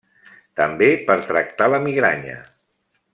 També per tractar la migranya.